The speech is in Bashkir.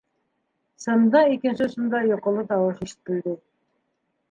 - Сымдың икенсе осонда йоҡоло тауыш ишетелде: